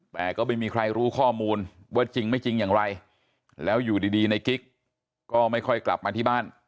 แต่ก็ไม่มีใครรู้ข้อมูลว่าจริงไม่จริงอย่างไรแล้วอยู่ดีในกิ๊กก็ไม่ค่อยกลับมาที่บ้าน